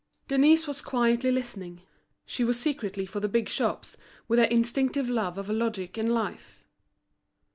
Denise was quietly listening. She was secretly for the big shops, with her instinctive love of logic and life.